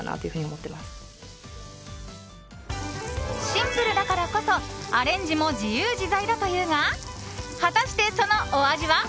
シンプルだからこそアレンジも自由自在だというが果たして、そのお味は？